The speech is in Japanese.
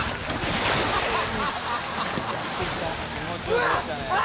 うわっ！